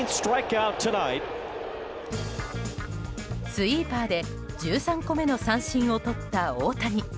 スイーパーで１３個目の三振をとった大谷。